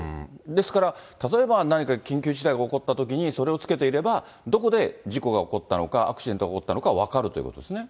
ですから例えば何か緊急事態が起こったときに、それをつけていれば、どこで事故が起こったのか、アクシデントが起こったのか分かるということですね。